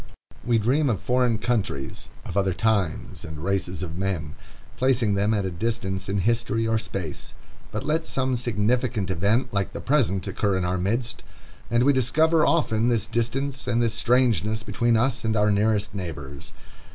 We dream of foreign countries, of other times and races of men, placing them at a distance in history or space; but let some significant event like the present occur in our midst, and we discover, often, this distance and this strangeness between us and our nearest neighbors.